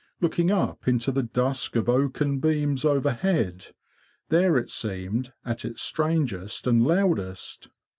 Looking up into the dusk of oaken beams overhead, there it seemed at its strangest and loudest.